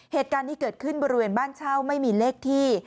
เหตุการณ์นี้เกิดขึ้นบริเวณบ้านเช่าไม่มีเลขที่